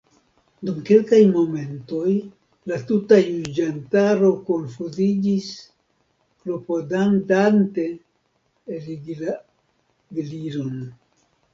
Dum kelkaj momentoj la tuta juĝantaro konfuziĝis, klopodadante eligi la Gliron.